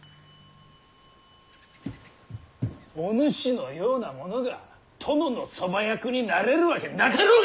お主のような者が殿の側役になれるわけなかろうが！